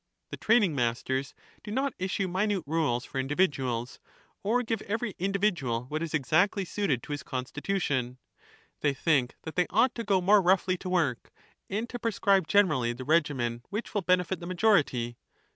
The training masters do not issue minute rules for individuals, or give every individual what is exactly suited to his constitution ; they think that they ought to go more roughly to work, and to prescribe generally the regimen which will benefit the majority.